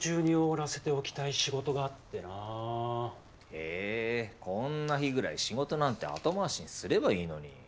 ええこんな日ぐらい仕事なんて後回しにすればいいのに。